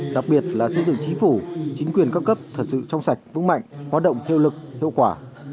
đặc biệt là xây dựng trí phủ chính quyền cấp cấp thật sự trong sạch vững mạnh hoạt động theo lực hiệu quả